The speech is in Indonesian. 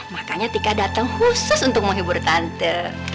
makanya tika datang khusus untuk menghibur tante